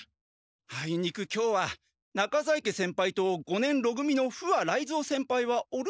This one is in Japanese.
あいにく今日は中在家先輩と五年ろ組の不破雷蔵先輩はおるすだ。